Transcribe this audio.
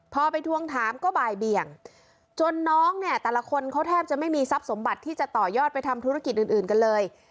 พอไปทวงถามก็บ่ายเบี่ยงจนน้องเนี่ยแต่ละคนเขาแทบจะไม่มีทรัพย์สมบัติที่จะต่อยอดไปทำธุรกิจอื่นกันเลย